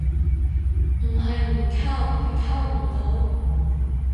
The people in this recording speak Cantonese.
唔係唔溝，係溝唔到